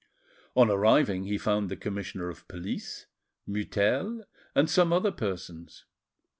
On arriving, he found the commissioner of police, Mutel, and some other persons.